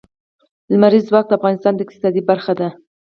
لمریز ځواک د افغانستان د اقتصاد برخه ده.